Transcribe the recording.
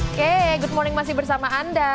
oke good morning masih bersama anda